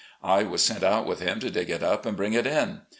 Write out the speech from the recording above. I was sent out with him to dig it up and bring it in.